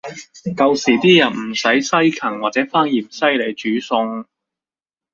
舊時啲人唔使西芹或者番芫茜來煮餸